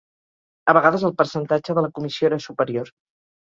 A vegades el percentatge de la comissió era superior.